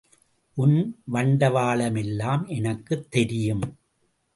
உன் வண்டவாளம் எல்லாம் எனக்குத் தெரியும்.